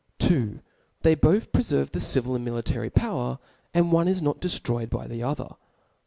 2. They both pre i Chap^. 16. ferve'the civiland military power, and one is no| deftroyed by the other.